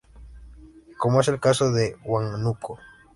Como es el caso de Huánuco.